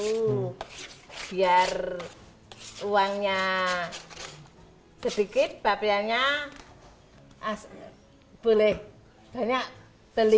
itu biar uangnya sedikit bapeannya boleh banyak beli